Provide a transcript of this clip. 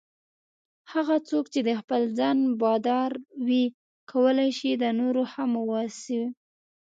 هغه څوک چې د خپل ځان بادار وي کولای شي د نورو هم واوسي.